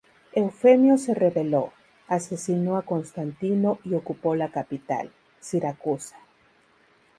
Eufemio se rebeló, asesinó a Constantino y ocupó la capital, Siracusa.